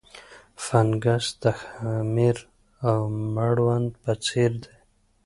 فنګس د خمیر او مړوند په څېر دي.